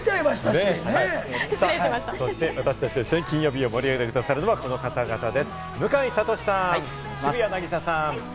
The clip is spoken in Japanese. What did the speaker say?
そして、私達と一緒に金曜日を盛り上げて下さるのはこの方々です。